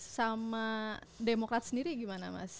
sama demokrat sendiri gimana mas